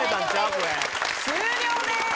これ終了です！